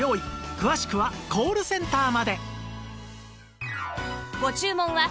詳しくはコールセンターまで